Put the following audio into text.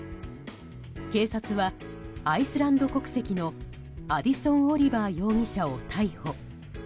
警察はアイスランド国籍のアディソン・オリバー容疑者を逮捕。